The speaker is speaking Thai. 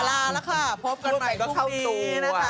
ลาแล้วค่ะพบกันหน่อยพรุ่งนี้นะคะ